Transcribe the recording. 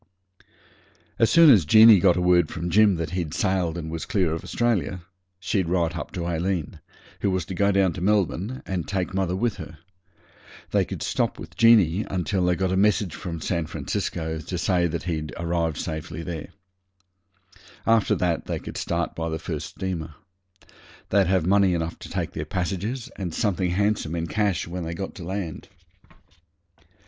As soon as Jeanie got a word from Jim that he'd sailed and was clear of Australia, she'd write up to Aileen, who was to go down to Melbourne, and take mother with her. They could stop with Jeanie until they got a message from San Francisco to say he'd safely arrived there. After that they could start by the first steamer. They'd have money enough to take their passages and something handsome in cash when they got to land.